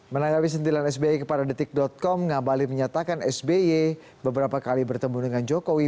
menanggapi sentilan sby kepada detik com ngabali menyatakan sby beberapa kali bertemu dengan jokowi